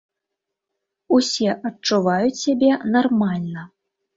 Усе адчуваюць сябе нармальна.